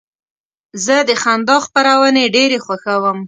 زه د خندا خپرونې ډېرې خوښوم.